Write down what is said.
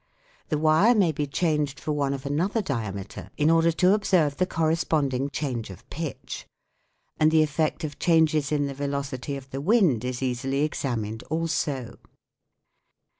The wire may be changed for one of another diameter in order to observe the cor responding change of pitch ; and the effect of changes in the velocity of the wind is easily examined also.